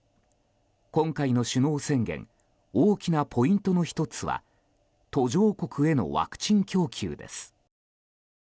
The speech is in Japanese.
今回の首脳宣言大きなポイントの１つは途上国へのワクチン供給です。